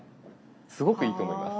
すごくいいと思います。